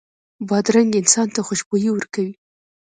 بادرنګ انسان ته خوشبويي ورکوي.